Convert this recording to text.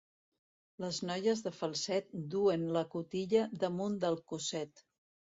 Les noies de Falset duen la cotilla damunt del cosset.